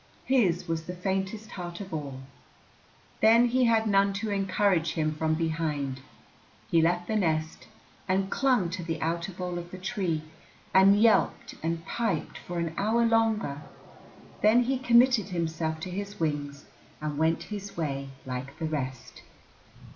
His was the faintest heart of all. Then he had none to encourage him from behind. He left the nest and clung to the outer bole of the tree, and yelped and piped for an hour longer; then he committed himself to his wings and went his way like the rest.